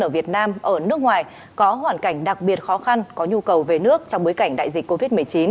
ở việt nam ở nước ngoài có hoàn cảnh đặc biệt khó khăn có nhu cầu về nước trong bối cảnh đại dịch covid một mươi chín